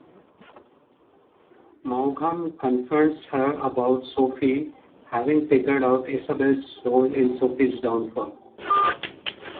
Maugham confronts her about Sophie, having figured out Isabel's role in Sophie's downfall.